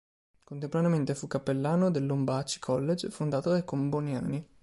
Contemporaneamente, fu cappellano dell'Ombaci College, fondato dai comboniani.